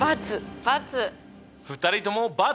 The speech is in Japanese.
２人とも×！